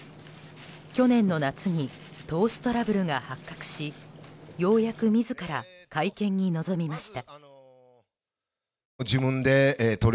去年の夏に投資トラブルが発覚しようやく自ら会見に臨みました。